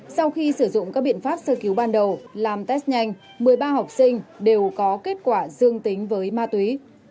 sau khi sử dụng các biện pháp sơ cứu ban đầu làm test nhanh một mươi ba học sinh đều có kết quả dương tính với ma túy